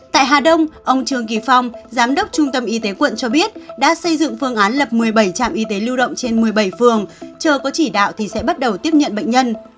tại hà đông ông trường kỳ phong giám đốc trung tâm y tế quận cho biết đã xây dựng phương án lập một mươi bảy trạm y tế lưu động trên một mươi bảy phường chờ có chỉ đạo thì sẽ bắt đầu tiếp nhận bệnh nhân